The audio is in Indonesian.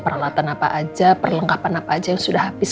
peralatan apa aja perlengkapan apa aja yang sudah habis